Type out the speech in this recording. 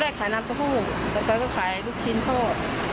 เหมือนว่าไม่ยุ่งเกี่ยวนะครับผม